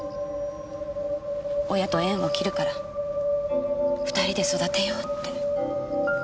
「親と縁を切るから２人で育てよう」って。